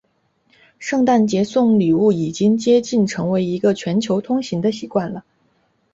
圣诞节送礼物已经接近成为一个全球通行的习惯了。